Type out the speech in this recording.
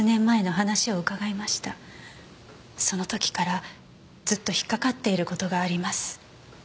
その時からずっと引っかかっている事があります。